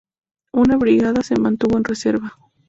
Una brigada se mantuvo en reserva.